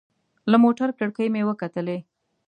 له موټر کړکۍ مې وکتلې.